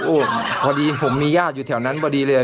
โอ้โหพอดีผมมีญาติอยู่แถวนั้นพอดีเลย